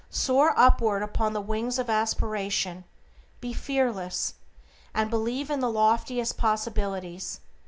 Soar upward upon the wings of aspiration; be fearless, and believe in the loftiest possibilities.